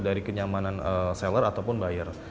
dari kenyamanan seller ataupun buyer